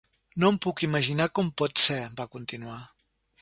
No em puc imaginar com pot ser, va continuar.